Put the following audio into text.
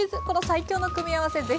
この最強の組み合わせ